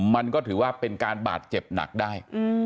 มันก็ถือว่าเป็นการบาดเจ็บหนักได้